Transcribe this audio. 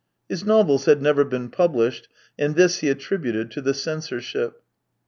..." His novels had never been published, and this he attributed to the censor ship.